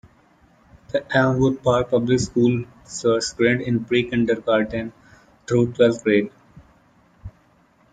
The Elmwood Park Public Schools serve students in pre-kindergarten through twelfth grade.